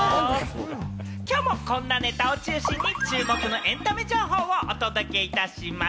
きょうもこんなネタを中心に注目のエンタメ情報をお届けいたします。